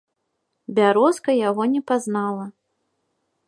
Бярозка яго не пазнала.